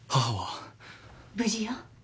無事よ。